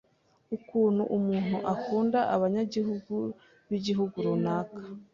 ukuntu umuntu akunda abanyagihugu b’igihugu runaka